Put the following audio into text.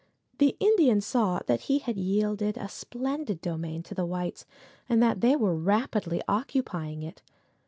The Indian saw that he had yielded a splendid domain to the whites, and that they were rapidly occupying it.